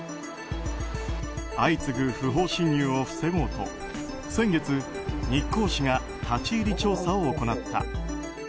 相次ぐ不法侵入を防ごうと先月、日光市が立ち入り調査を行った。